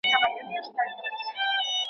د لیدو تاب مې پۀ نظر کې پرېږده